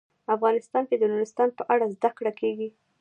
افغانستان کې د نورستان په اړه زده کړه کېږي.